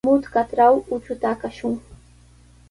Mutrkatraw uchuta aqashun.